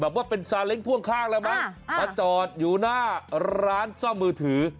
แบบว่าเป็นซานเล็กก้วงข้างแล้วน่ะมันจอดอยู่หน้าร้านซ่อมมือถือ